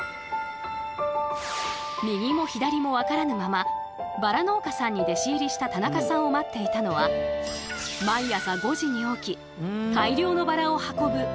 右も左も分からぬままバラ農家さんに弟子入りした田中さんを待っていたのは毎朝５時に起き大量のバラを運ぶ力仕事。